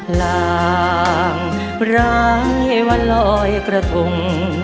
หล่างหลายวะลอยกระทง